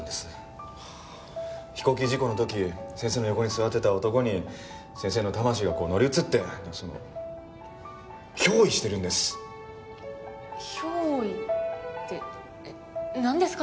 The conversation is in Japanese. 飛行機事故の時先生の横に座ってた男に先生の魂がこう乗り移ってその憑依してるんです。憑依ってえっなんですか？